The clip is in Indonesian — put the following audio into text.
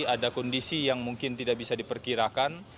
ada kondisi yang mungkin tidak bisa diperkirakan